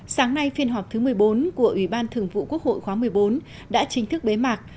sáng nay phiên họp thứ một mươi bốn của ủy ban thường vụ quốc hội khóa một mươi bốn đã chính thức bế mạc